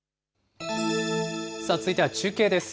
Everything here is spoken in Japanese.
続いては中継です。